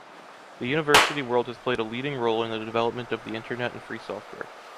The university world has played a leading role in the development of the Internet and free software.